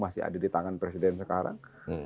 masih ada di tangan presiden sekarang